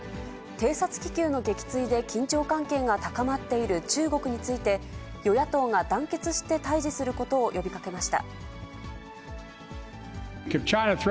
偵察気球の撃墜で緊張関係が高まっている中国について、与野党が団結して対じすることを呼びかけました。